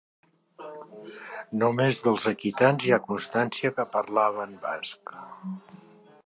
Només dels aquitans hi ha constància que parlaven basc.